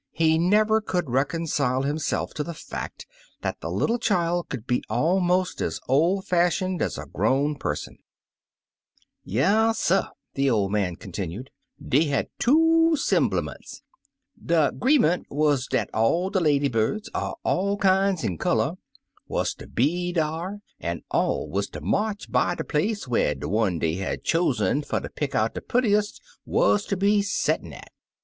He never could reconcile himself to the fact that a little child could be almost as old fashioned as a grown person. 139 Uncle Remus Returns ^'Yasser! the old man continued, "dey had two 'semblements, De Agreement wu« dat all de lady birds, er all kin's an' color, wnz ter be dar, an' all wnz ter march by de place whar de one dey had chosen fer ter pick out de purtiest wuz ter be settin' at.